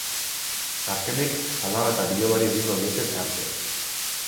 Azkenik, alaba eta bilobari egingo diete tartea.